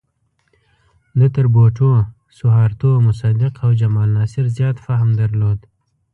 ده تر بوټو، سوهارتو، مصدق او جمال ناصر زیات فهم درلود.